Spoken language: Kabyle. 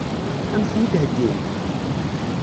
Ad m-ten-id-heggint?